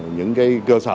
những cái cơ sở đã thu được